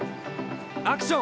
アクション！